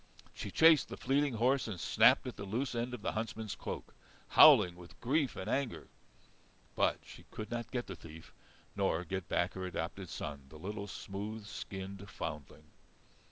She chased the fleeting horse and snapped at the loose end of the huntsman's cloak, howling with grief and anger. But she could not get the thief, nor get back her adopted son, the little smooth skinned foundling.